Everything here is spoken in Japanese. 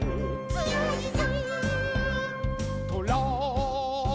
「つよいぞ」